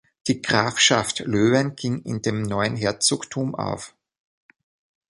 Die Grafschaft Löwen ging in dem neuen Herzogtum auf.